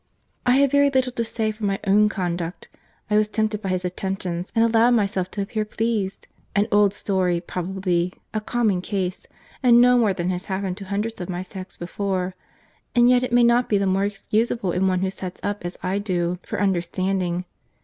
"I have very little to say for my own conduct.—I was tempted by his attentions, and allowed myself to appear pleased.—An old story, probably—a common case—and no more than has happened to hundreds of my sex before; and yet it may not be the more excusable in one who sets up as I do for Understanding.